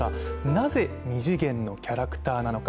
なぜ２次元のキャラクターなのか。